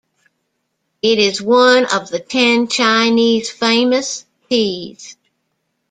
It is one of the ten Chinese Famous Teas.